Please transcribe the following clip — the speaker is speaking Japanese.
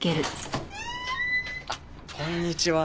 あっこんにちは。